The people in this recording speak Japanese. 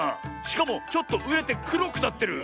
しかもちょっとうれてくろくなってる。